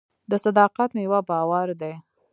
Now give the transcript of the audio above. د صداقت میوه باور دی.